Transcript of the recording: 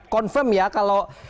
confirm ya kalau